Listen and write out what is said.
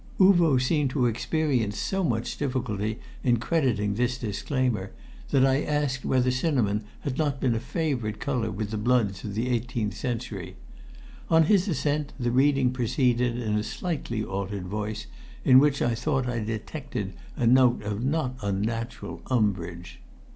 Uvo seemed to experience so much difficulty in crediting this disclaimer, that I asked whether cinnamon had not been a favourite colour with the bloods of the eighteenth century. On his assent the reading proceeded in a slightly altered voice, in which I thought I detected a note of not unnatural umbrage.